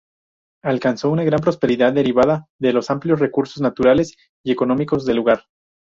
Alcanzó una gran prosperidad derivada de los amplios recursos naturales y económicos del lugar.